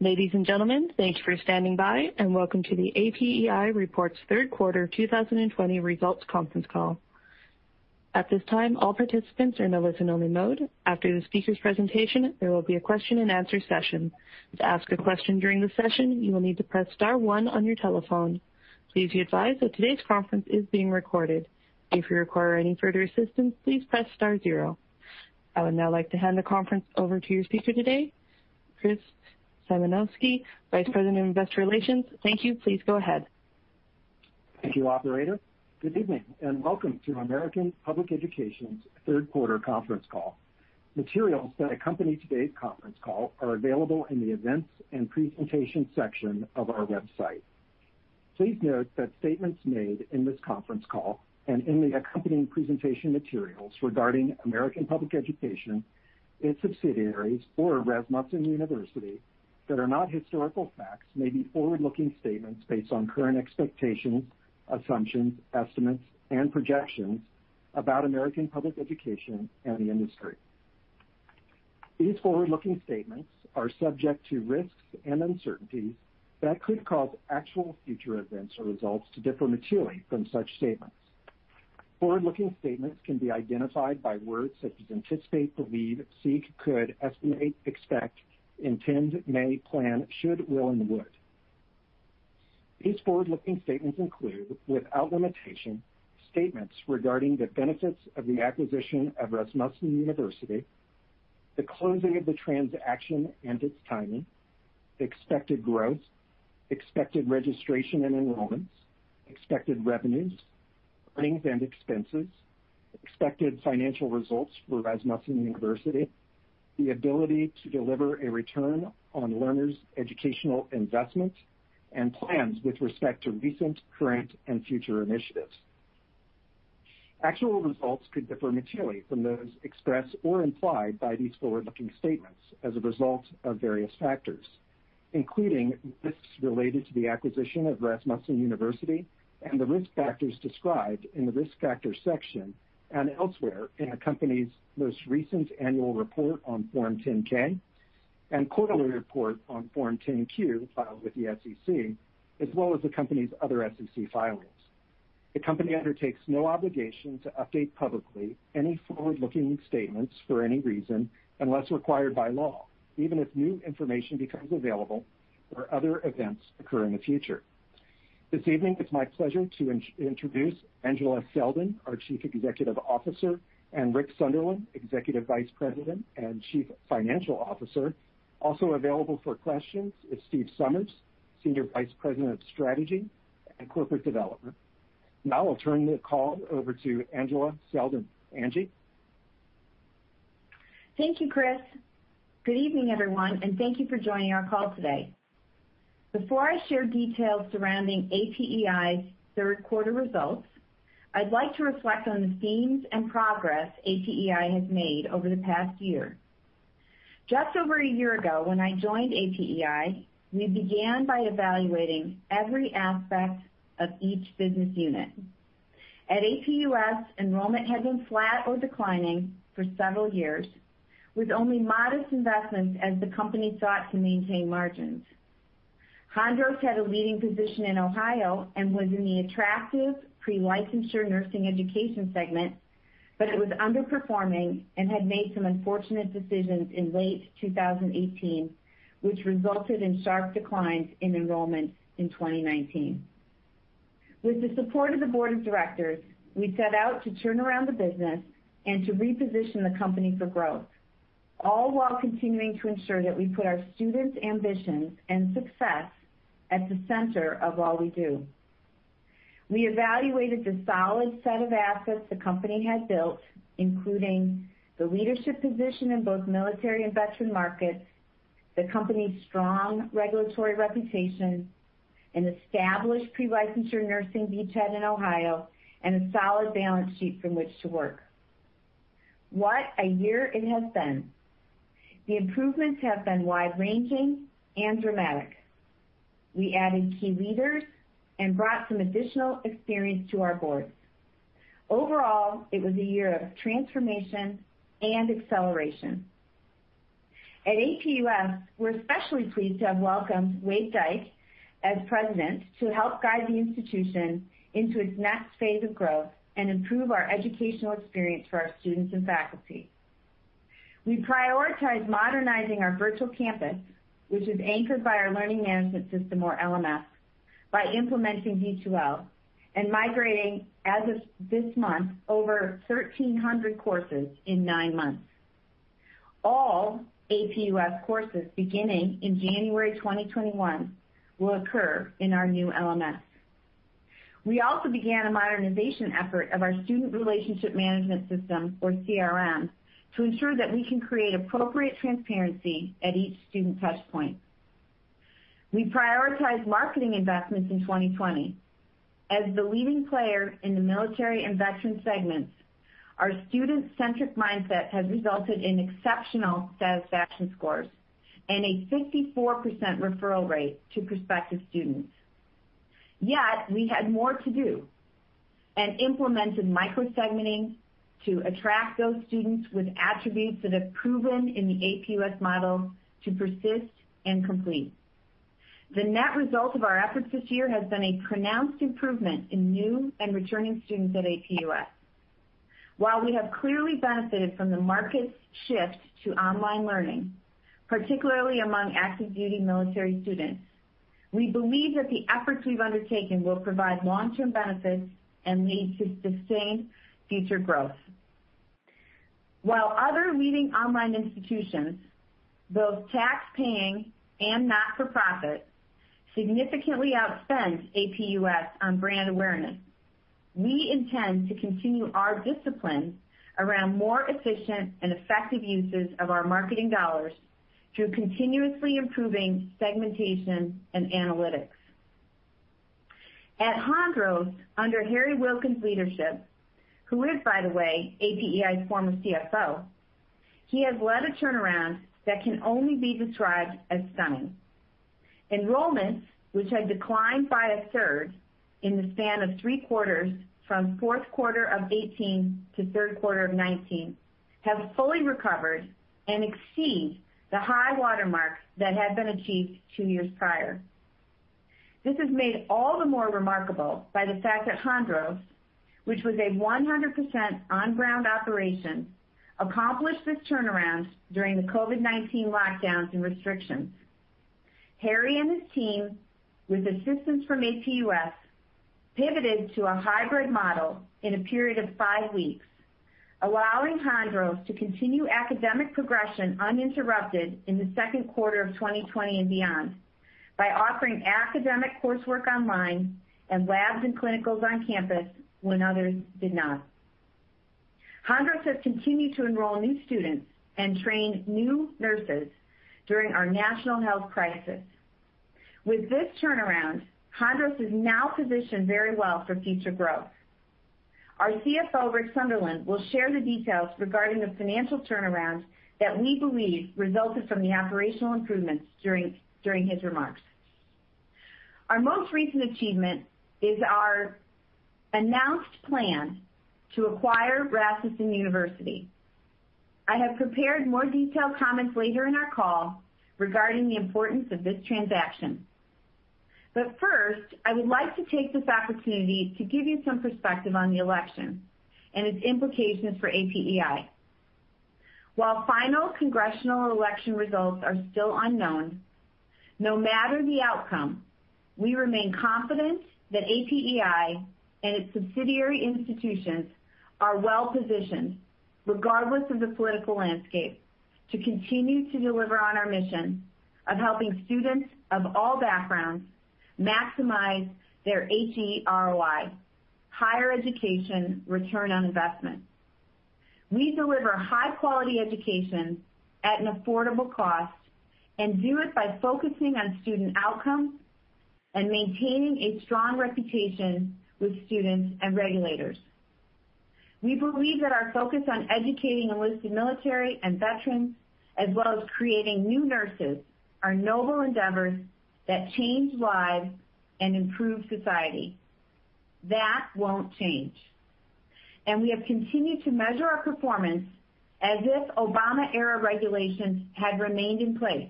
Ladies and gentlemen, thank you for standing by, and welcome to the APEI Reports Q3 2020 Results Conference Call. At this time, all participants are in a listen-only mode. After the speaker's presentation, there will be a question and answer session. To ask a question during the session, you will need to press star one on your telephone. Please be advised that today's conference is being recorded. If you require any further assistance, please press star zero. I would now like to hand the conference over to your speaker today, Chris Symanoskie, Vice President of Investor Relations. Thank you. Please go ahead. Thank you, operator. Good evening. Welcome to American Public Education's Q3 conference call. Materials that accompany today's conference call are available in the Events and Presentation section of our website. Please note that statements made in this conference call and in the accompanying presentation materials regarding American Public Education, its subsidiaries, or Rasmussen University that are not historical facts may be forward-looking statements based on current expectations, assumptions, estimates, and projections about American Public Education and the industry. These forward-looking statements are subject to risks and uncertainties that could cause actual future events or results to differ materially from such statements. Forward-looking statements can be identified by words such as anticipate, believe, seek, could, estimate, expect, intend, may, plan, should, will, and would. These forward-looking statements include, without limitation, statements regarding the benefits of the acquisition of Rasmussen University, the closing of the transaction and its timing, expected growth, expected registration and enrollments, expected revenues, earnings and expenses, expected financial results for Rasmussen University, the ability to deliver a return on learners' educational investment, and plans with respect to recent, current, and future initiatives. Actual results could differ materially from those expressed or implied by these forward-looking statements as a result of various factors, including risks related to the acquisition of Rasmussen University and the risk factors described in the Risk Factors section and elsewhere in the company's most recent annual report on Form 10-K and quarterly report on Form 10-Q filed with the SEC, as well as the company's other SEC filings. The company undertakes no obligation to update publicly any forward-looking statements for any reason, unless required by law, even if new information becomes available or other events occur in the future. This evening, it's my pleasure to introduce Angela Selden, our Chief Executive Officer, and Rick Sunderland, Executive Vice President and Chief Financial Officer. Also available for questions is Steve Somers, Senior Vice President of Strategy and Corporate Development. I'll turn the call over to Angela Selden. Angela? Thank you, Chris. Good evening, everyone, and thank you for joining our call today. Before I share details surrounding APEI's Q3 results, I'd like to reflect on the themes and progress APEI has made over the past year. Just over a year ago, when I joined APEI, we began by evaluating every aspect of each business unit. At APUS, enrollment had been flat or declining for several years, with only modest investments as the company sought to maintain margins. Hondros had a leading position in Ohio and was in the attractive pre-licensure nursing education segment, but it was underperforming and had made some unfortunate decisions in late 2018, which resulted in sharp declines in enrollment in 2019. With the support of the board of directors, we set out to turn around the business and to reposition the company for growth, all while continuing to ensure that we put our students' ambitions and success at the center of all we do. We evaluated the solid set of assets the company had built, including the leadership position in both military and veteran markets, The company's strong regulatory reputation, an established pre-licensure nursing beachhead in Ohio, and a solid balance sheet from which to work. What a year it has been. The improvements have been wide-ranging and dramatic. We added key leaders and brought some additional experience to our board. Overall, it was a year of transformation and acceleration. At APUS, we're especially pleased to have welcomed Wade Dyke as president to help guide the institution into its next phase of growth and improve our educational experience for our students and faculty. We prioritized modernizing our virtual campus, which is anchored by our learning management system, or LMS, by implementing D2L and migrating, as of this month, Over 1,300 courses in nine months. All APUS courses beginning in January 2021 will occur in our new LMS. We also began a modernization effort of our student relationship management system, or CRM, to ensure that we can create appropriate transparency at each student touchpoint. We prioritized marketing investments in 2020. As the leading player in the military and veteran segments, our student-centric mindset has resulted in exceptional satisfaction scores and a 54% referral rate to prospective students. Yet we had more to do and implemented micro-segmenting to attract those students with attributes that have proven in the APUS model to persist and complete. The net result of our efforts this year has been a pronounced improvement in new and returning students at APUS. While we have clearly benefited from the market's shift to online learning, particularly among active duty military students, we believe that the efforts we've undertaken will provide long-term benefits and lead to sustained future growth. While other leading online institutions, both tax-paying and not-for-profit, significantly outspend APUS on brand awareness, we intend to continue our discipline around more efficient and effective uses of our marketing dollars through continuously improving segmentation and analytics. At Hondros, under Harry Wilkins' leadership, who is, by the way, APEI's former CFO, he has led a turnaround that can only be described as stunning. Enrollments, which had declined by a third in the span of three quarters from Q4 of 2018 to Q3 of 2019, have fully recovered and exceed the high watermark that had been achieved two years prior. This is made all the more remarkable by the fact that Hondros, which was a 100% on-ground operation, accomplished this turnaround during the COVID-19 lockdowns and restrictions. Harry and his team, with assistance from APUS, pivoted to a hybrid model in a period of five weeks, Allowing Hondros to continue academic progression uninterrupted in the Q2 of 2020 and beyond by offering academic coursework online and labs and clinicals on campus when others did not. Hondros has continued to enroll new students and train new nurses during our national health crisis. With this turnaround, Hondros is now positioned very well for future growth. Our CFO, Rick Sunderland, will share the details regarding the financial turnaround that we believe resulted from the operational improvements during his remarks. Our most recent achievement is our announced plan to acquire Rasmussen University. I have prepared more detailed comments later in our call regarding the importance of this transaction. First, I would like to take this opportunity to give you some perspective on the election and its implications for APEI. While final congressional election results are still unknown, no matter the outcome, we remain confident that APEI and its subsidiary institutions are well-positioned, regardless of the political landscape, to continue to deliver on our mission of helping students of all backgrounds maximize their H-E-R-O-I, Higher Education Return on Investment. We deliver high-quality education at an affordable cost and do it by focusing on student outcome and maintaining a strong reputation with students and regulators. We believe that our focus on educating enlisted military and veterans, as well as creating new nurses, are noble endeavors that change lives and improve society. That won't change. We have continued to measure our performance as if Obama-era regulations had remained in place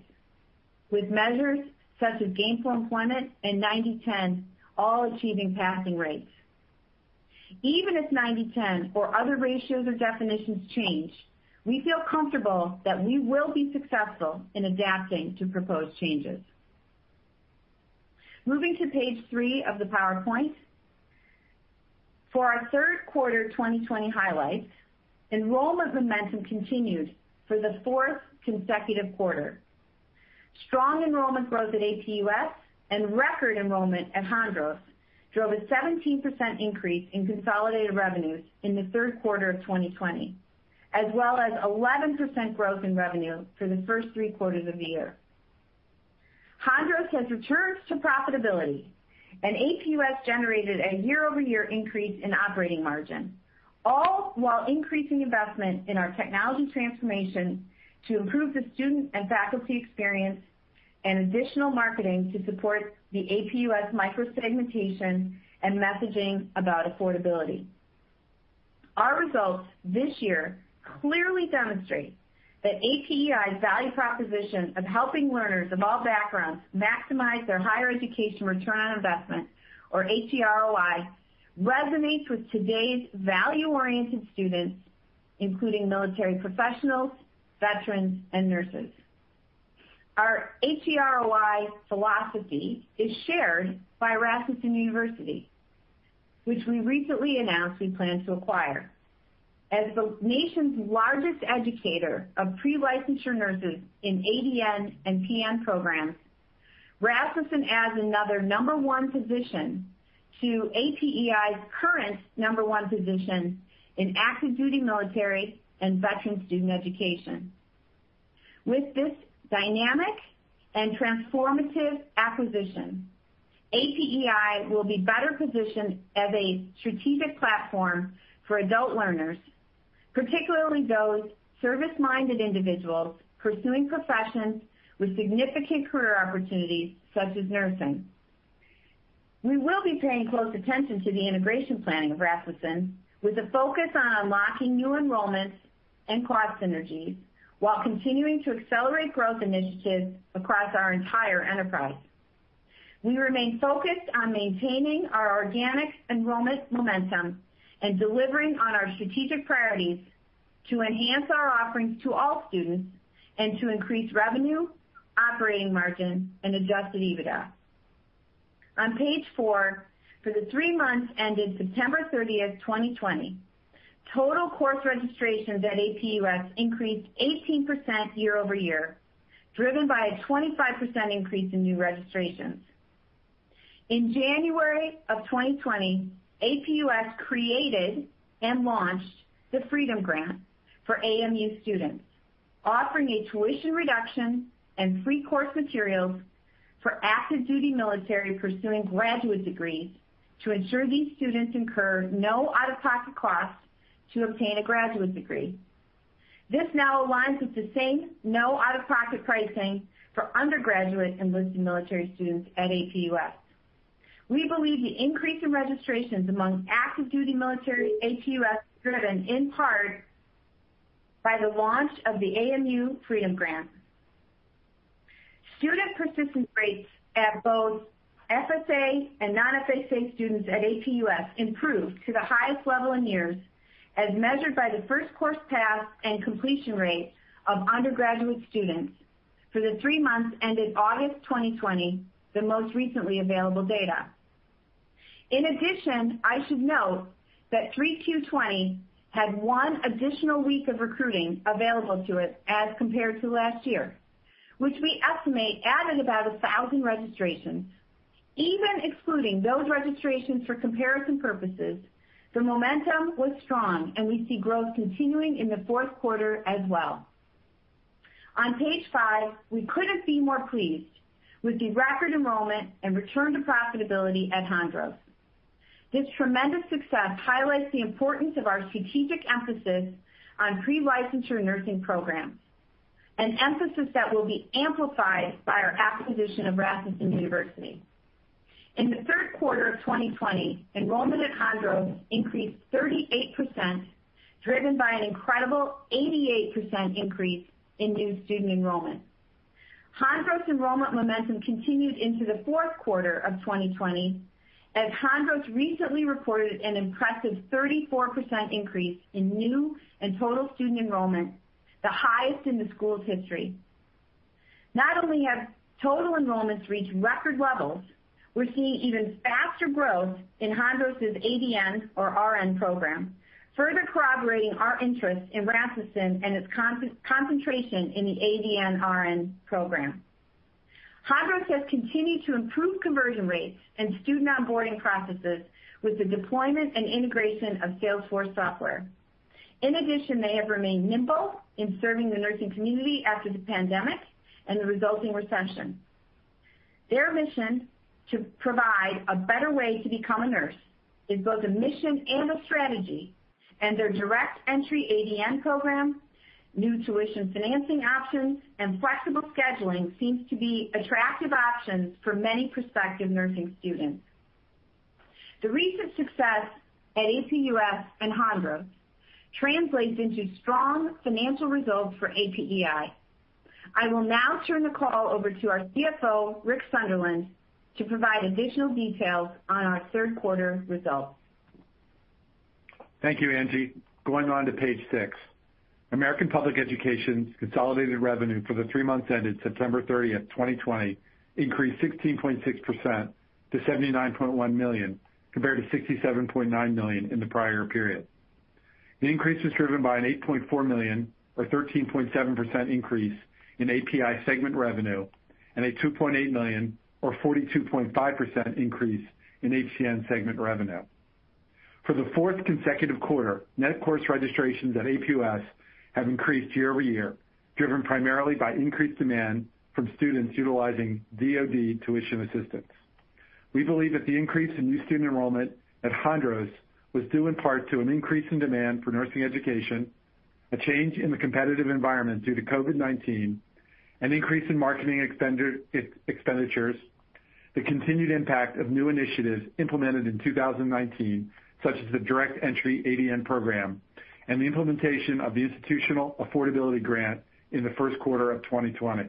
with measures such as gainful employment and 90/10 all achieving passing rates. Even if 90/10 or other ratios or definitions change, we feel comfortable that we will be successful in adapting to proposed changes. Moving to page three of the PowerPoint. For our Q3 2020 highlights, enrollment momentum continued for the fourth consecutive quarter. Strong enrollment growth at APUS and record enrollment at Hondros drove a 17% increase in consolidated revenues in the Q3 of 2020, as well as 11% growth in revenue for the first three quarters of the year. Hondros has returned to profitability, and APUS generated a year-over-year increase in operating margin, all while increasing investment in our technology transformation to improve the student and faculty experience and additional marketing to support the APUS micro-segmentation and messaging about affordability. Our results this year clearly demonstrate that APEI's value proposition of helping learners of all backgrounds maximize their higher education return on investment, or H-E-R-O-I, resonates with today's value-oriented students, including military professionals, veterans, and nurses. Our H-E-R-O-I philosophy is shared by Rasmussen University, which we recently announced we plan to acquire. As the nation's largest educator of pre-licensure nurses in ADN and PN programs, Rasmussen adds another number one position to APEI's current number one position in active duty military and veteran student education. With this dynamic and transformative acquisition, APEI will be better positioned as a strategic platform for adult learners, particularly those service-minded individuals pursuing professions with significant career opportunities, such as nursing. We will be paying close attention to the integration planning of Rasmussen, with a focus on unlocking new enrollments and cost synergies while continuing to accelerate growth initiatives across our entire enterprise. We remain focused on maintaining our organic enrollment momentum and delivering on our strategic priorities to enhance our offerings to all students and to increase revenue, operating margin, and adjusted EBITDA. On page four, for the three months ended September 30th, 2020, total course registrations at APUS increased 18% year-over-year, driven by a 25% increase in new registrations. In January of 2020, APUS created and launched the Freedom Grant for AMU students, offering a tuition reduction and free course materials for active duty military pursuing graduate degrees to ensure these students incur no out-of-pocket costs to obtain a graduate degree. This now aligns with the same no out-of-pocket pricing for undergraduate enlisted military students at APUS. We believe the increase in registrations among active duty military APUS was driven in part by the launch of the AMU Freedom Grant. Student persistence rates at both FSA and non-FSA students at APUS improved to the highest level in years, as measured by the first course passed and completion rate of undergraduate students for the three months ended August 2020, the most recently available data. I should note that 3Q20 had one additional week of recruiting available to it as compared to last year, which we estimate added about 1,000 registrations. Even excluding those registrations for comparison purposes, the momentum was strong, and we see growth continuing in the Q4 as well. On page five, we couldn't be more pleased with the record enrollment and return to profitability at Hondros. This tremendous success highlights the importance of our strategic emphasis on pre-licensure nursing programs, an emphasis that will be amplified by our acquisition of Rasmussen University. In the Q3 of 2020, enrollment at Hondros increased 38%, driven by an incredible 88% increase in new student enrollment. Hondros enrollment momentum continued into the Q4 of 2020, as Hondros recently reported an impressive 34% increase in new and total student enrollment, the highest in the school's history. Not only have total enrollments reached record levels, We're seeing even faster growth in Hondros' ADN or RN program, further corroborating our interest in Rasmussen and its concentration in the ADN/RN program. Hondros has continued to improve conversion rates and student onboarding processes with the deployment and integration of Salesforce software. In addition, they have remained nimble in serving the nursing community after the pandemic and the resulting recession. Their mission to provide a better way to become a nurse is both a mission and a strategy, and their direct entry ADN program, new tuition financing options, and flexible scheduling seems to be attractive options for many prospective nursing students. The recent success at APUS and Hondros translates into strong financial results for APEI. I will now turn the call over to our CFO, Rick Sunderland, to provide additional details on our Q3 results. Thank you, Angela. Going on to page six. American Public Education's consolidated revenue for the three months ended September 30th, 2020 increased 16.6% to $79.1 million, compared to $67.9 million in the prior period. The increase was driven by an $8.4 million or 13.7% increase in APEI segment revenue and a $2.8 million or 42.5% increase in HCN segment revenue. For the fourth consecutive quarter, net course registrations at APUS have increased year-over-year, driven primarily by increased demand from students utilizing DoD tuition assistance. We believe that the increase in new student enrollment at Hondros was due in part to an increase in demand for nursing education, a change in the competitive environment due to COVID-19, an increase in marketing expenditures, The continued impact of new initiatives implemented in 2019, such as the direct entry ADN program, and the implementation of the Institutional Affordability Grant in the Q1 of 2020.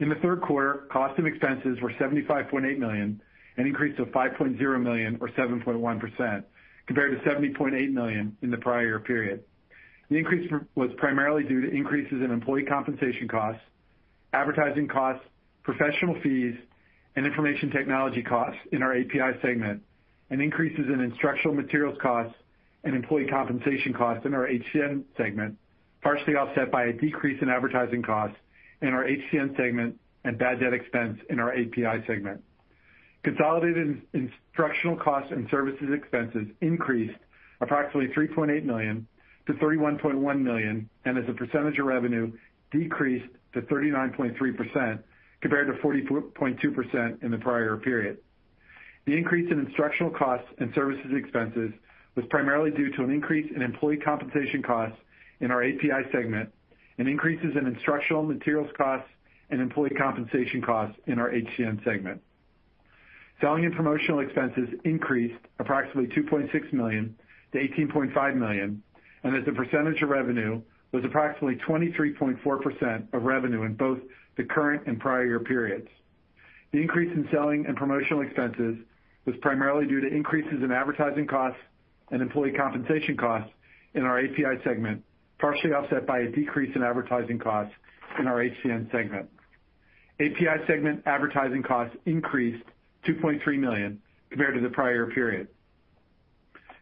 In the Q3, costs and expenses were $75.8 million, an increase of $5.0 million or 7.1%, compared to $70.8 million in the prior period. The increase was primarily due to increases in employee compensation costs, advertising costs, professional fees, and information technology costs in our APEI segment, and increases in instructional materials costs and employee compensation costs in our HCN segment, partially offset by a decrease in advertising costs in our HCN segment and bad debt expense in our APEI segment. Consolidated instructional costs and services expenses increased approximately $3.8 million to $31.1 million, and as a percentage of revenue, decreased to 39.3%, compared to 42.2% in the prior period. The increase in instructional costs and services expenses was primarily due to an increase in employee compensation costs in our APEI segment and increases in instructional materials costs and employee compensation costs in our Rasmussen segment. Selling and promotional expenses increased approximately $2.6 million-$18.5 million, and as a percentage of revenue was approximately 23.4% of revenue in both the current and prior year periods. The increase in selling and promotional expenses was primarily due to increases in advertising costs and employee compensation costs in our API segment, partially offset by a decrease in advertising costs in our Rasmussen segment. API segment advertising costs increased $2.3 million compared to the prior period.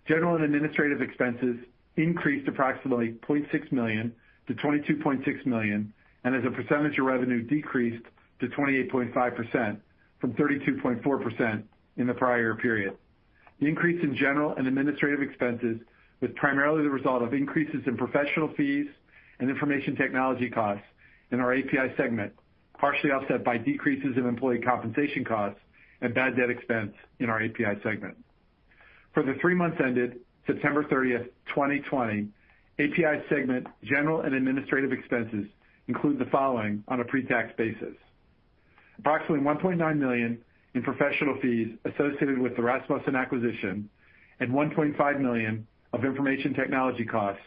General and administrative expenses increased approximately $0.6 million-$22.6 million, and as a percentage of revenue, decreased to 28.5% from 32.4% in the prior period. The increase in general and administrative expenses was primarily the result of increases in professional fees and information technology costs in our APEI segment, partially offset by decreases in employee compensation costs and bad debt expense in our APEI segment. For the three months ended September 30th, 2020, APEI segment general and administrative expenses include the following on a pre-tax basis. Approximately $1.9 million in professional fees associated with the Rasmussen acquisition and $1.5 million of information technology costs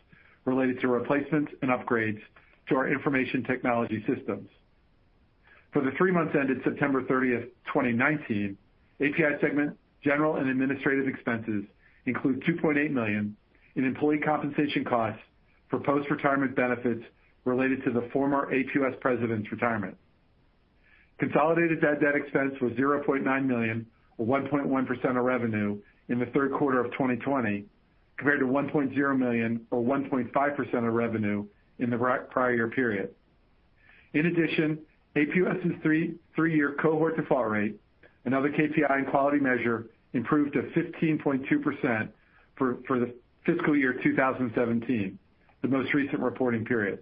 related to replacements and upgrades to our information technology systems. For the three months ended September 30th, 2019, APEI segment general and administrative expenses include $2.8 million in employee compensation costs for post-retirement benefits related to the former APUS President's retirement. Consolidated bad debt expense was $0.9 million or 1.1% of revenue in the Q3 of 2020, compared to $1.0 million or 1.5% of revenue in the prior year period. In addition, APUS's three-year cohort default rate, another KPI and quality measure, improved to 15.2% for the fiscal year 2017, the most recent reporting period.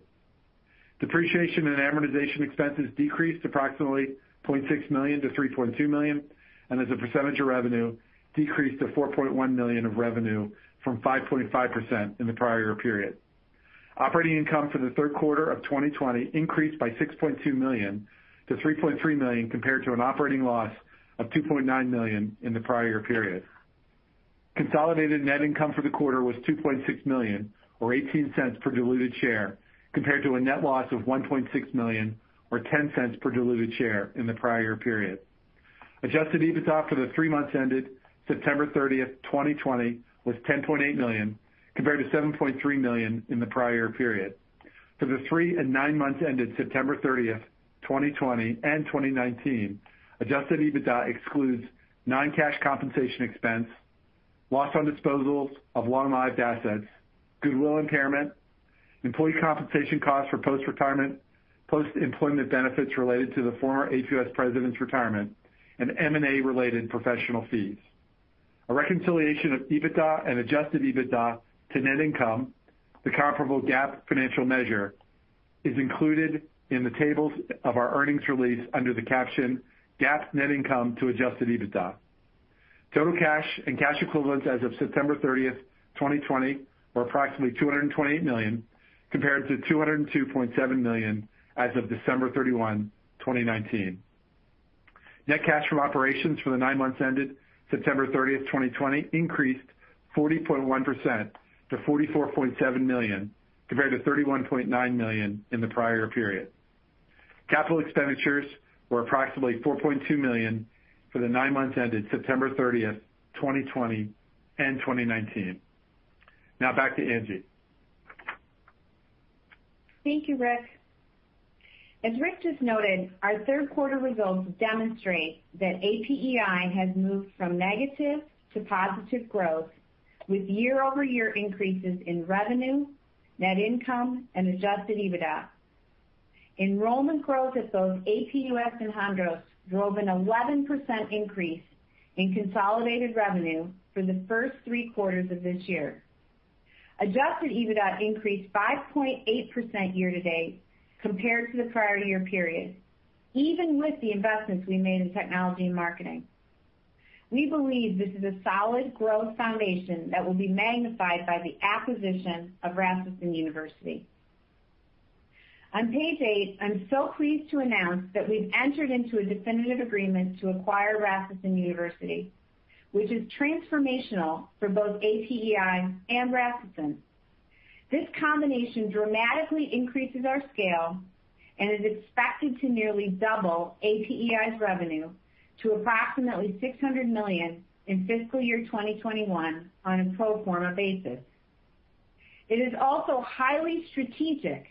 Depreciation and amortization expenses decreased approximately $0.6 million to $3.2 million, and as a percentage of revenue, decreased to 4.1% of revenue from 5.5% in the prior year period. Operating income for the Q3 of 2020 increased by $6.2 million-$3.3 million compared to an operating loss of $2.9 million in the prior year period. Consolidated net income for the quarter was $2.6 million or $0.18 per diluted share compared to a net loss of $1.6 million or $0.10 per diluted share in the prior period. Adjusted EBITDA for the three months ended September 30, 2020 was $10.8 million compared to $7.3 million in the prior period. For the three and nine months ended September 30th, 2020 and 2019, Adjusted EBITDA excludes non-cash compensation expense, loss on disposals of long-lived assets, goodwill impairment, employee compensation costs for post-retirement, post-employment benefits related to the former APUS President's retirement, and M&A related professional fees. A reconciliation of EBITDA and adjusted EBITDA to net income, the comparable GAAP financial measure, is included in the tables of our earnings release under the caption GAAP Net Income to Adjusted EBITDA. Total cash and cash equivalents as of September 30th, 2020 were approximately $228 million compared to $202.7 million as of December 31st, 2019. Net cash from operations for the nine months ended September 30th, 2020 increased 40.1% to $44.7 million compared to $31.9 million in the prior period. Capital expenditures were approximately $4.2 million for the nine months ended September 30th, 2020 and 2019. Back to Angela. Thank you, Rick. As Rick just noted, our Q3 results demonstrate that APEI has moved from negative to positive growth with year-over-year increases in revenue, net income and adjusted EBITDA. Enrollment growth at both APUS and Hondros drove an 11% increase in consolidated revenue for the first three quarters of this year. Adjusted EBITDA increased 5.8% year to date compared to the prior year period, even with the investments we made in technology and marketing. We believe this is a solid growth foundation that will be magnified by the acquisition of Rasmussen University. On page eight, I'm so pleased to announce that we've entered into a definitive agreement to acquire Rasmussen University, which is transformational for both APEI and Rasmussen. This combination dramatically increases our scale and is expected to nearly double APEI's revenue to approximately $600 million in fiscal year 2021 on a pro forma basis. It is also highly strategic,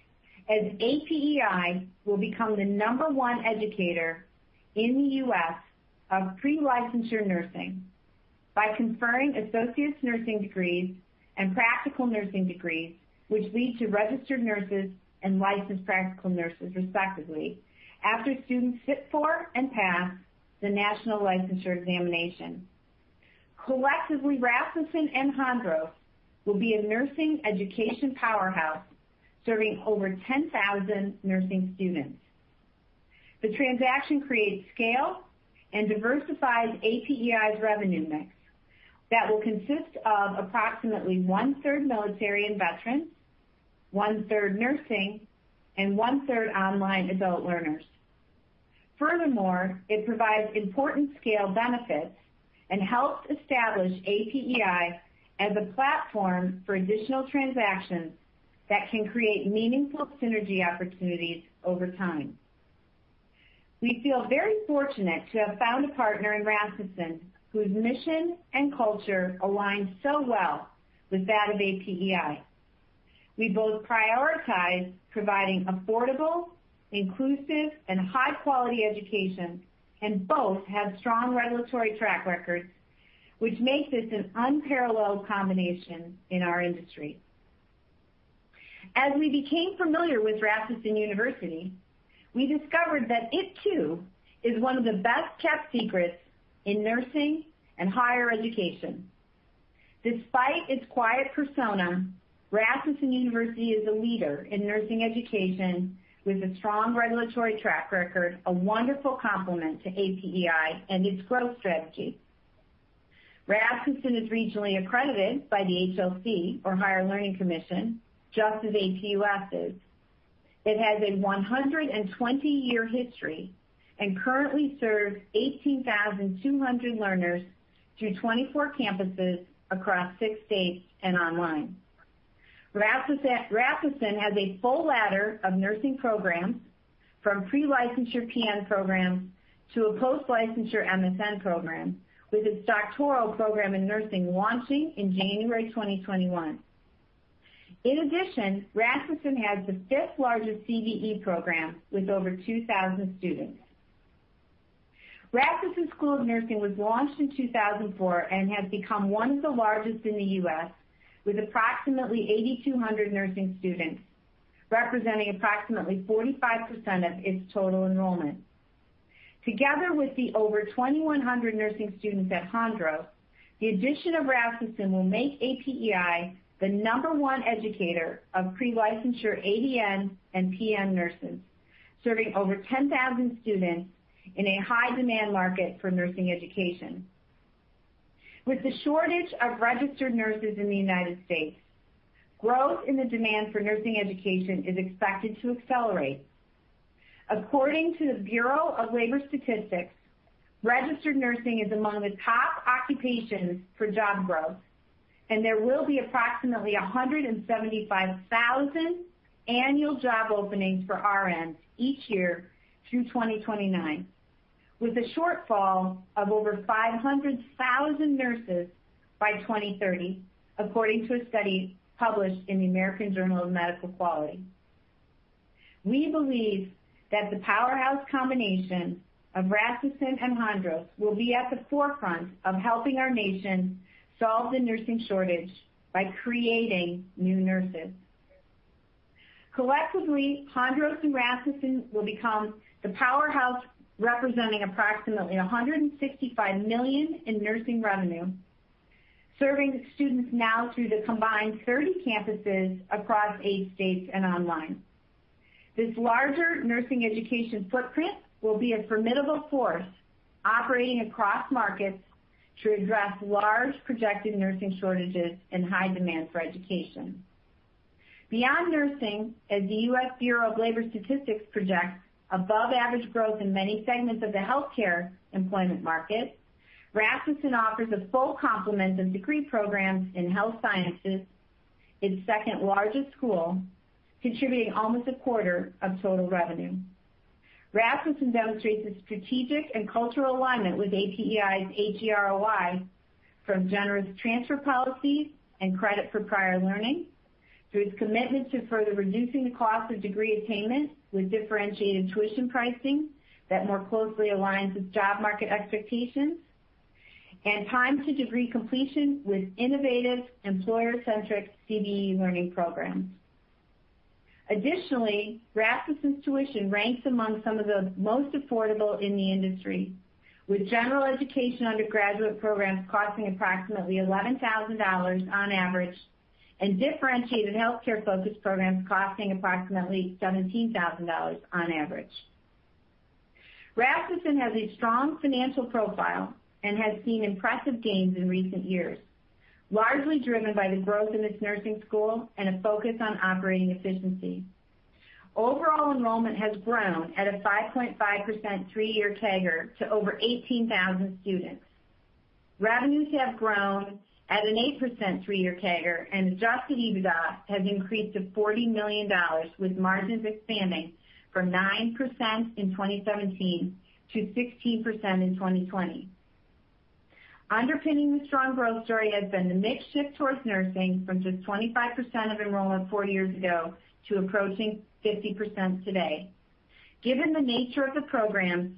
as APEI will become the number one educator in the U.S. of pre-licensure nursing by conferring associates nursing degrees and practical nursing degrees, which lead to registered nurses and licensed practical nurses respectively, after students sit for and pass the national licensure examination. Collectively, Rasmussen and Hondros will be a nursing education powerhouse serving over 10,000 nursing students. The transaction creates scale and diversifies APEI's revenue mix that will consist of approximately one-third military and veterans, one-third nursing, and one-third online adult learners. Furthermore, it provides important scale benefits and helps establish APEI as a platform for additional transactions that can create meaningful synergy opportunities over time. We feel very fortunate to have found a partner in Rasmussen whose mission and culture aligns so well with that of APEI. We both prioritize providing affordable, inclusive, and high-quality education, and both have strong regulatory track records, which makes this an unparalleled combination in our industry. As we became familiar with Rasmussen University, we discovered that it too is one of the best-kept secrets in nursing and higher education. Despite its quiet persona, Rasmussen University is a leader in nursing education with a strong regulatory track record, a wonderful complement to APEI and its growth strategy. Rasmussen is regionally accredited by the HLC, or Higher Learning Commission, just as APUS is. It has a 120-year history and currently serves 18,200 learners through 24 campuses across six states and online. Rasmussen has a full ladder of nursing programs, from pre-licensure PN programs to a post-licensure MSN program, with its doctoral program in nursing launching in January 2021. In addition, Rasmussen has the fifth largest CBE program with over 2,000 students. Rasmussen School of Nursing was launched in 2004 and has become one of the largest in the U.S., with approximately 8,200 nursing students, representing approximately 45% of its total enrollment. Together with the over 2,100 nursing students at Hondros, the addition of Rasmussen will make APEI the number one educator of pre-licensure ADN and PN nurses, serving over 10,000 students in a high-demand market for nursing education. With the shortage of registered nurses in the United States, growth in the demand for nursing education is expected to accelerate. According to the Bureau of Labor Statistics, registered nursing is among the top occupations for job growth, and there will be approximately 175,000 annual job openings for RNs each year through 2029, with a shortfall of over 500,000 nurses by 2030, according to a study published in the American Journal of Medical Quality. We believe that the powerhouse combination of Rasmussen and Hondros will be at the forefront of helping our nation solve the nursing shortage by creating new nurses. Collectively, Hondros and Rasmussen will become the powerhouse representing approximately $165 million in nursing revenue, serving students now through the combined 30 campuses across eight states and online. This larger nursing education footprint will be a formidable force operating across markets to address large projected nursing shortages and high demand for education. Beyond nursing, as the U.S. Bureau of Labor Statistics projects above-average growth in many segments of the healthcare employment market, Rasmussen offers a full complement of degree programs in health sciences, its second-largest school, contributing almost a quarter of total revenue. Rasmussen demonstrates its strategic and cultural alignment with APEI's HROI from generous transfer policies and credit for prior learning through its commitment to further reducing the cost of degree attainment with differentiated tuition pricing that more closely aligns with job market expectations, and time to degree completion with innovative employer-centric CBE learning programs. Additionally, Rasmussen's tuition ranks among some of the most affordable in the industry, with general education undergraduate programs costing approximately $11,000 on average, and differentiated healthcare-focused programs costing approximately $17,000 on average. Rasmussen has a strong financial profile and has seen impressive gains in recent years, largely driven by the growth in its nursing school and a focus on operating efficiency. Overall enrollment has grown at a 5.5% three-year CAGR to over 18,000 students. Revenues have grown at an 8% three-year CAGR, and adjusted EBITDA has increased to $40 million, with margins expanding from 9% in 2017 to 16% in 2020. Underpinning the strong growth story has been the mix shift towards nursing from just 25% of enrollment four years ago to approaching 50% today. Given the nature of the programs,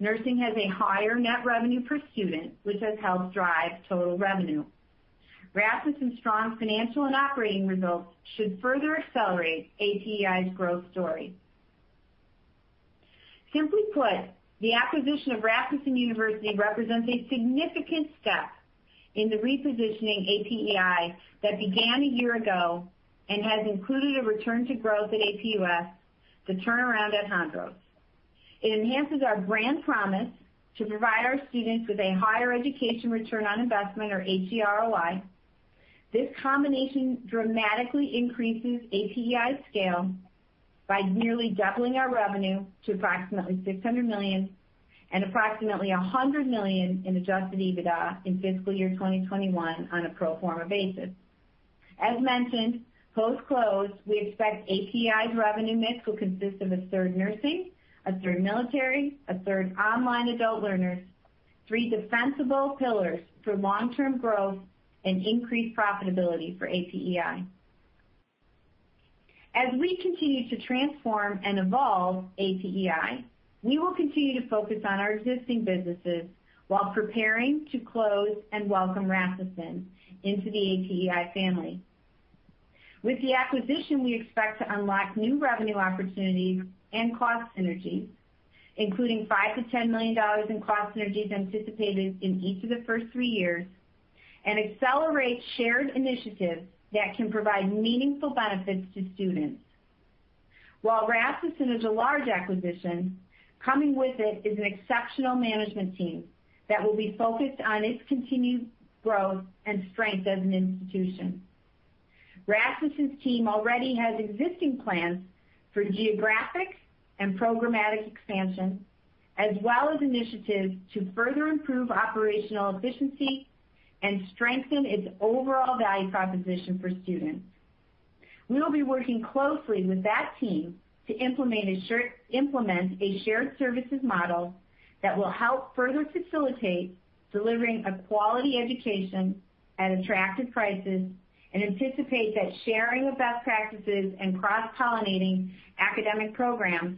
nursing has a higher net revenue per student, which has helped drive total revenue. Rasmussen's strong financial and operating results should further accelerate APEI's growth story. Simply put, the acquisition of Rasmussen University represents a significant step in the repositioning APEI that began a year ago and has included a return to growth at APUS, the turnaround at Hondros. It enhances our brand promise to provide our students with a higher education return on investment or HROI. This combination dramatically increases APEI's scale by nearly doubling our revenue to approximately $600 million and approximately $100 million in adjusted EBITDA in fiscal year 2021 on a pro forma basis. As mentioned, post-close, we expect APEI's revenue mix will consist of a third nursing, a third military, a third online adult learners, three defensible pillars for long-term growth and increased profitability for APEI. As we continue to transform and evolve APEI, we will continue to focus on our existing businesses while preparing to close and welcome Rasmussen into the APEI family. With the acquisition, we expect to unlock new revenue opportunities and cost synergies, including $5 million-$10 million in cost synergies anticipated in each of the first three years, and accelerate shared initiatives that can provide meaningful benefits to students. While Rasmussen is a large acquisition, coming with it is an exceptional management team that will be focused on its continued growth and strength as an institution. Rasmussen's team already has existing plans for geographic and programmatic expansion, as well as initiatives to further improve operational efficiency and strengthen its overall value proposition for students. We will be working closely with that team to implement a shared services model that will help further facilitate delivering a quality education at attractive prices, and anticipate that sharing of best practices and cross-pollinating academic programs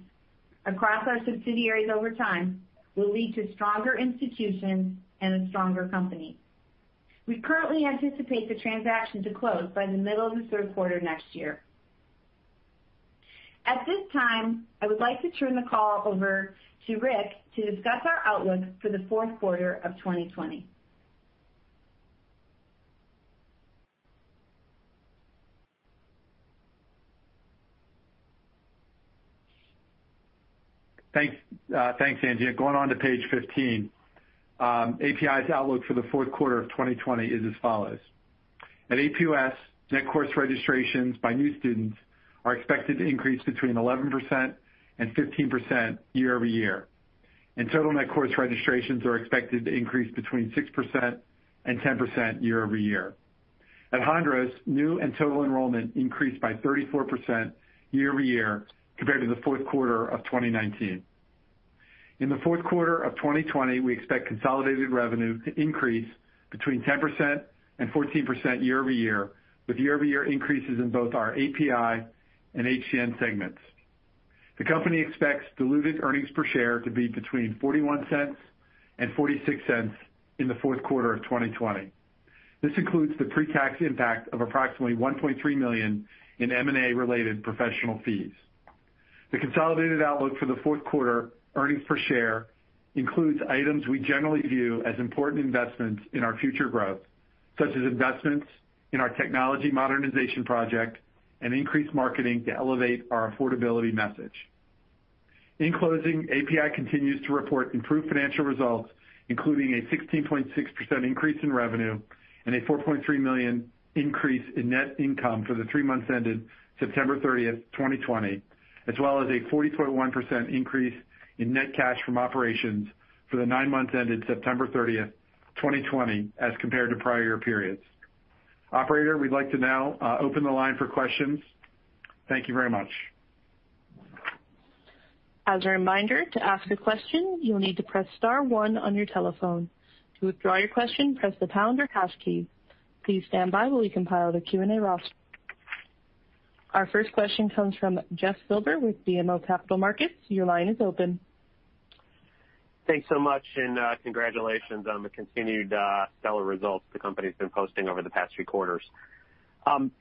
across our subsidiaries over time will lead to stronger institutions and a stronger company. We currently anticipate the transaction to close by the middle of the Q3 next year. At this time, I would like to turn the call over to Rick to discuss our outlook for the Q4 of 2020. Thanks, Angela. Going on to page 15, APEI's outlook for the Q4 of 2020 is as follows. At APUS, net course registrations by new students are expected to increase between 11%-15% year over year. Total net course registrations are expected to increase between 6%-10% year over year. At Hondros, new and total enrollment increased by 34% year over year compared to the Q4 of 2019. In the Q4 of 2020, we expect consolidated revenue to increase between 10%-14% year over year, with year over year increases in both our APEI and HTN segments. The company expects diluted earnings per share to be between $0.41 and $0.46 in the Q4 of 2020. This includes the pre-tax impact of approximately $1.3 million in M&A-related professional fees. The consolidated outlook for the Q4 earnings per share includes items we generally view as important investments in our future growth, such as investments in our technology modernization project and increased marketing to elevate our affordability message In closing, APEI continues to report improved financial results, including a 16.6% increase in revenue and a $4.3 million increase in net income for the three months ended September 30th, 2020, as well as a 40.1% increase in net cash from operations for the nine months ended September 30th, 2020 as compared to prior periods. Operator, we'd like to now open the line for questions. Thank you very much. As a reminder, to ask a question, you will need to press star one on your telephone. To withdraw your question, press the pound or hash key. Please stand by while we compile the Q&A roster. Our first question comes from Jeff Silber with BMO Capital Markets. Your line is open. Thanks so much. Congratulations on the continued stellar results the company's been posting over the past three quarters. Angela,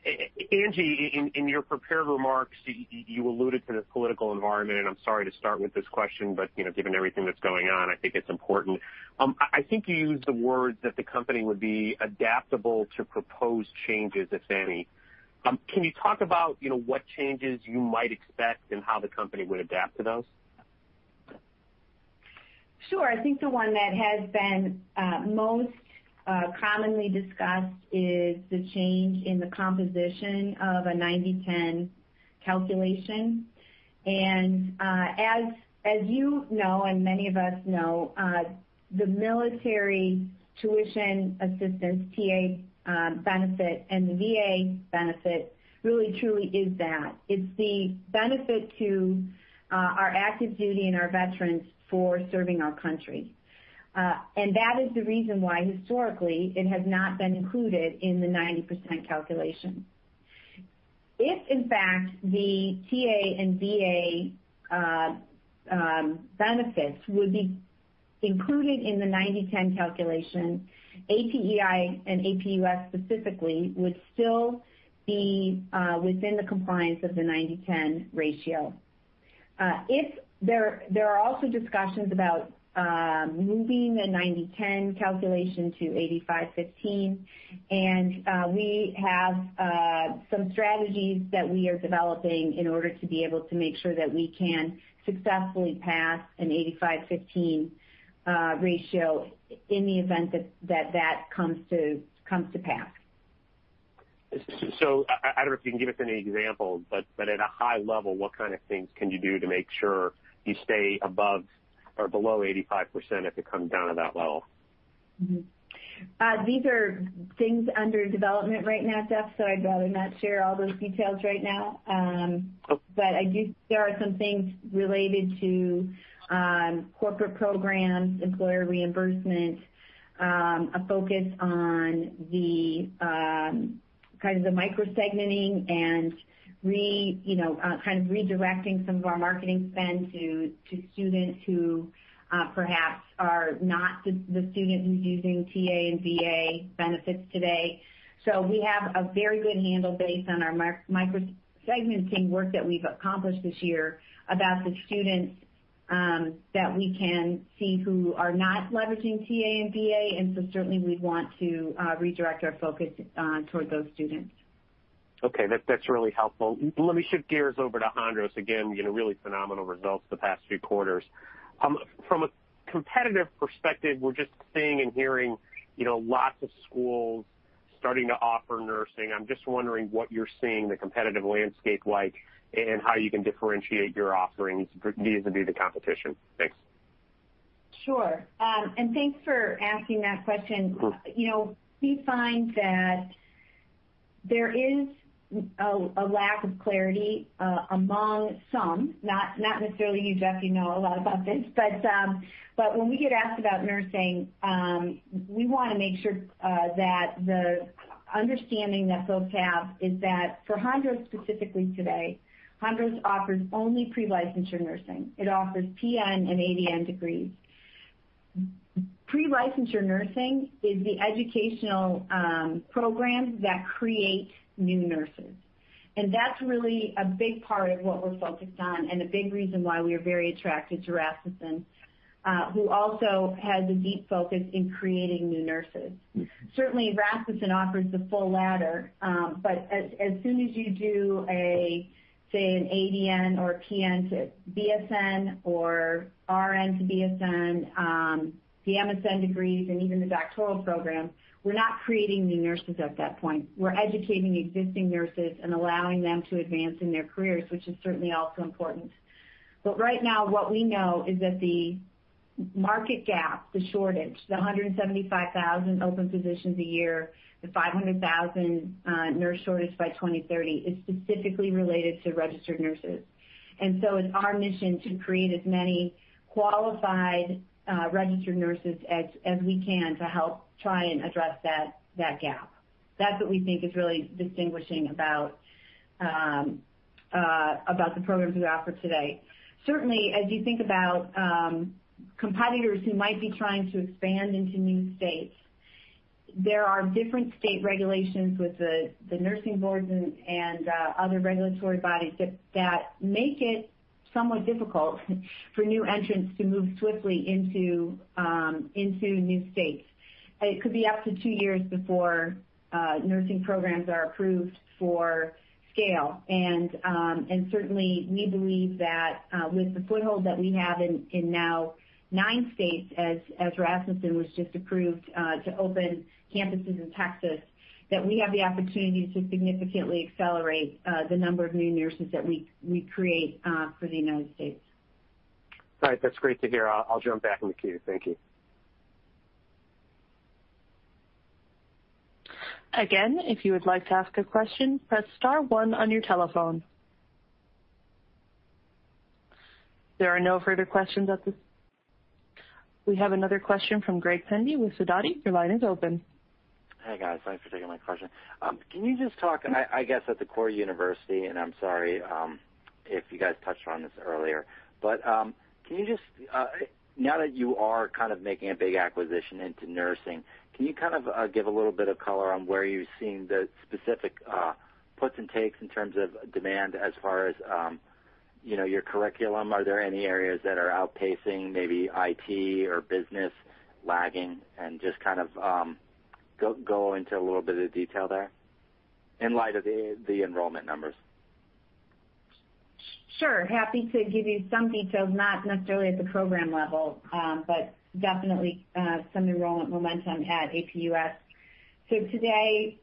in your prepared remarks, you alluded to the political environment, and I'm sorry to start with this question, but given everything that's going on, I think it's important. I think you used the words that the company would be adaptable to proposed changes, if any. Can you talk about what changes you might expect and how the company would adapt to those? Sure. I think the one that has been most commonly discussed is the change in the composition of a 90:10 calculation. As you know, and many of us know, the military tuition assistance, TA benefit, and the VA benefit really truly is that. It's the benefit to our active duty and our veterans for serving our country. That is the reason why historically it has not been included in the 90% calculation. If in fact the TA and VA benefits would be included in the 90:10 calculation, APEI and APUS specifically would still be within the compliance of the 90:10 ratio. There are also discussions about moving the 90:10 calculation to 85:15, we have some strategies that we are developing in order to be able to make sure that we can successfully pass an 85:15 ratio in the event that that comes to pass. I don't know if you can give us any examples, but at a high level, what kind of things can you do to make sure you stay above or below 85% if it comes down to that level? These are things under development right now, Jeff, so I'd rather not share all those details right now. Okay. There are some things related to corporate programs, employer reimbursement, a focus on the micro-segmenting, and kind of redirecting some of our marketing spend to students who perhaps are not the student who's using TA and VA benefits today. We have a very good handle based on our micro-segmenting work that we've accomplished this year about the students that we can see who are not leveraging TA and VA, and so certainly we want to redirect our focus toward those students. Okay. That's really helpful. Let me shift gears over to Hondros again, really phenomenal results the past few quarters. From a competitive perspective, we're just seeing and hearing lots of schools starting to offer nursing. I'm just wondering what you're seeing the competitive landscape like, and how you can differentiate your offerings vis-a-vis the competition. Thanks. Sure. Thanks for asking that question. We find that there is a lack of clarity among some, not necessarily you, Jeff, you know a lot about this. When we get asked about nursing, we want to make sure that the understanding that folks have is that for Hondros specifically today, Hondros offers only pre-licensure nursing. It offers PN and ADN degrees. Pre-licensure nursing is the educational program that creates new nurses, and that's really a big part of what we're focused on and a big reason why we are very attracted to Rasmussen, who also has a deep focus in creating new nurses. Certainly, Rasmussen offers the full ladder. As soon as you do, say, an ADN or a PN to BSN or RN to BSN, the MSN degrees, and even the doctoral program, we're not creating new nurses at that point. We're educating existing nurses and allowing them to advance in their careers, which is certainly also important. Right now, what we know is that the market gap, the shortage, the 175,000 open positions a year, the 500,000 nurse shortage by 2030, is specifically related to registered nurses. It's our mission to create as many qualified registered nurses as we can to help try and address that gap. That's what we think is really distinguishing about the programs we offer today. Certainly, as you think about competitors who might be trying to expand into new states, there are different state regulations with the nursing boards and other regulatory bodies that make it somewhat difficult for new entrants to move swiftly into new states. It could be up to two years before nursing programs are approved for scale. Certainly, we believe that with the foothold that we have in now nine states, as Rasmussen was just approved to open campuses in Texas, that we have the opportunity to significantly accelerate the number of new nurses that we create for the United States. All right. That's great to hear. I'll jump back in the queue. Thank you. Again, if you would like to ask a question, press star one on your telephone. There are no further questions. We have another question from Gregory Pendy with Sidoti & Company. Your line is open. Hey, guys. Thanks for taking my question. Can you just talk, and I guess at the core university, and I'm sorry if you guys touched on this earlier, but now that you are kind of making a big acquisition into nursing, can you give a little bit of color on where you're seeing the specific puts and takes in terms of demand as far as your curriculum? Are there any areas that are outpacing, maybe IT or business lagging? Just go into a little bit of detail there in light of the enrollment numbers. Sure. Happy to give you some details, not necessarily at the program level, but definitely some enrollment momentum at APUS. Today,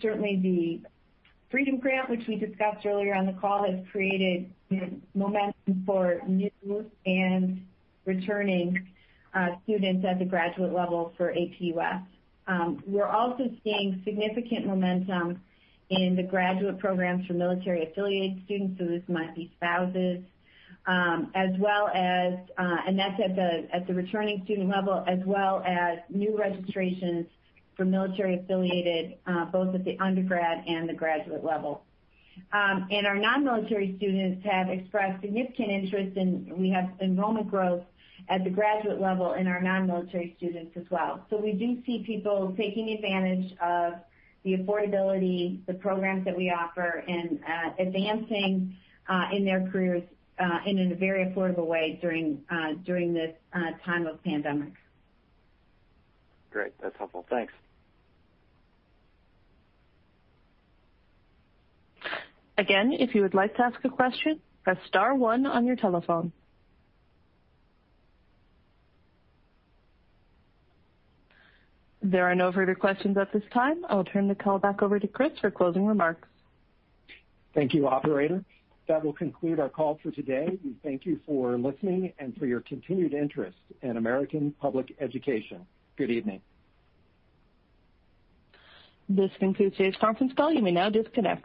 certainly the Freedom Grant, which we discussed earlier on the call, has created momentum for new and returning students at the graduate level for APUS. We're also seeing significant momentum in the graduate programs for military-affiliated students, so this might be spouses. That's at the returning student level, as well as new registrations for military-affiliated, both at the undergrad and the graduate level. Our non-military students have expressed significant interest, and we have enrollment growth at the graduate level in our non-military students as well. We do see people taking advantage of the affordability, the programs that we offer, and advancing in their careers and in a very affordable way during this time of pandemic. Great. That's helpful. Thanks. Again, if you would like to ask a question, press star one on your telephone. There are no further questions at this time. I'll turn the call back over to Chris for closing remarks. Thank you, operator. That will conclude our call for today. We thank you for listening and for your continued interest in American Public Education. Good evening. This concludes today's conference call. You may now disconnect.